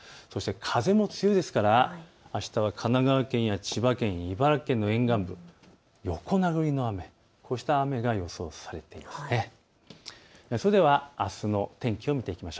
風も強いですからあしたは神奈川県や千葉県、茨城県の沿岸部、横殴りの雨、こうした雨が予想されています。